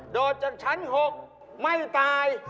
โดดจากชั้น๖ไม่ตาย